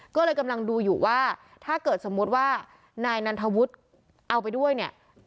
ก็เลยกำลังดูอยู่ว่าถ้าเกิดสมมุติว่านายนันทวุฒิเอาไปด้วยเนี่ย